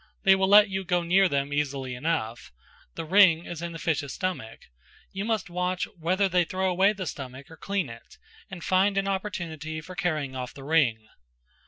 They will let you go near them easily enough; the ring is in the fish's stomach, you must watch whether they throw away the stomach or clean it, and find an opportunity for carrying off the ring."